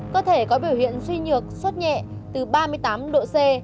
cơ thể có biểu hiện suy nhược suốt nhẹ từ ba mươi tám độ c